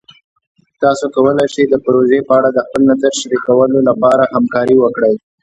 تاسو کولی شئ د پروژې په اړه د خپل نظر شریکولو لپاره همکاري وکړئ.